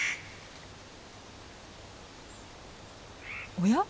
おや？